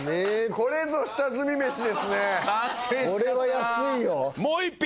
これは安いよ。